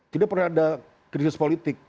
tidak pernah ada krisis politik